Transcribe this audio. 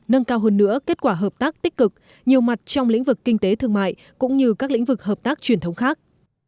nâng cao hơn nữa kết quả hợp tác tích cực nhiều mặt trong lĩnh vực kinh tế thương mại cũng như các lĩnh vực hợp tác truyền thống khác